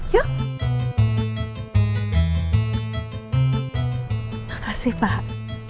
terima kasih pak